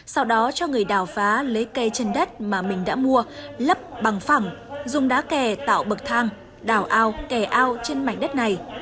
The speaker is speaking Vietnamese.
sau đó cho người đào phá lấy cây trên đất mà mình đã mua lấp bằng phẳng dùng đá kè tạo bậc thang đào ao kè ao trên mảnh đất này